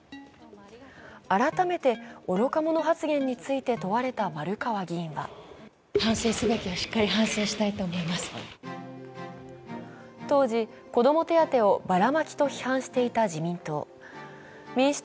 改めて、愚か者発言について問われた丸川議員は当時、子ども手当をバラマキと批判していた民主党。